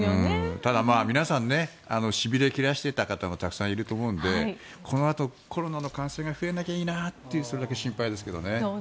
ただ皆さんしびれを切らしていた方がたくさんいると思うのでこのあとコロナの感染が増えなきゃいいなってそれだけ心配ですけどね。